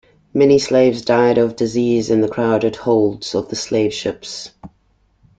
Many slaves died of disease in the crowded holds of the slave ships.